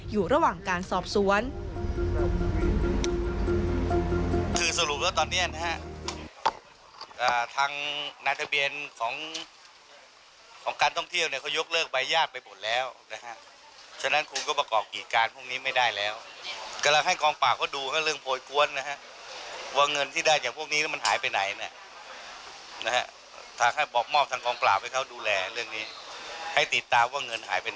อยู่ระหว่างการสอบสวน